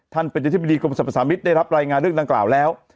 ท่านเป็นอธิบดีกรมสรรพสามิตรได้รับรายงานเรื่องดังกล่าวแล้ว